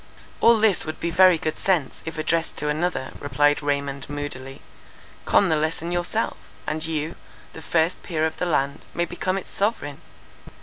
"All this would be very good sense, if addressed to another," replied Raymond, moodily, "con the lesson yourself, and you, the first peer of the land, may become its sovereign.